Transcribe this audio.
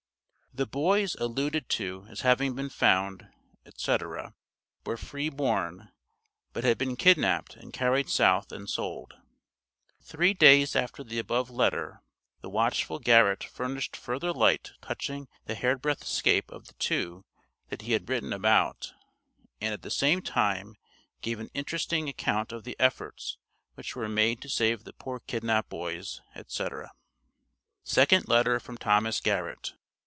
The "boys" alluded to as having been "found" &c., were free born, but had been kidnapped and carried south and sold. Three days after the above letter, the watchful Garrett furnished further light touching the hair breadth escape of the two that he had written about, and at the same time gave an interesting account of the efforts which were made to save the poor kidnapped boys, &c. SECOND LETTER FROM THOMAS GARRETT.